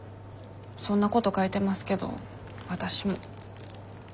そんなこと書いてますけどわたしも。